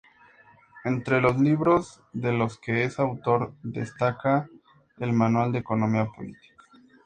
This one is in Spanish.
Entre los libros de los que es autor destaca el "Manual de Economía Política".